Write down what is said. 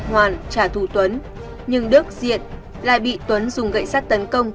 hoàn trả thù tuấn nhưng đức diện lại bị tuấn dùng gậy sắt tấn công